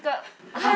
はい。